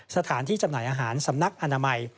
จำหน่ายอาหารสำนักอนามัย